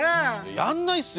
やんないっすよ！